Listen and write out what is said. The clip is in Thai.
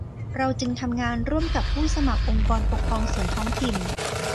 เราจึงทำงานร่วมกับผู้สมัครองค์กรปกครองส่วนท้องถิ่น